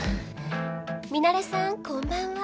ミナレさんこんばんは。